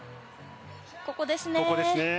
ここですね。